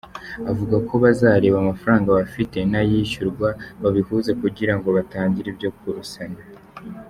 Avuga ko bazareba amafaranga bafite n’ayishyurwa babihuze kugira ngo batangire ibyo kurusana.